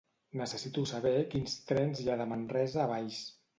Necessito saber quins trens hi ha de Manresa a Valls.